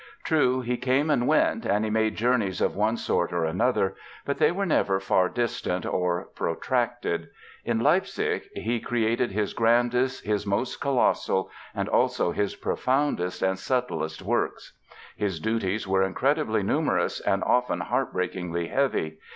True, he came and went, and he made journeys of one sort or another, but they were never far distant or protracted. In Leipzig he created his grandest, his most colossal, and also his profoundest and subtlest works. His duties were incredibly numerous and often heart breakingly heavy.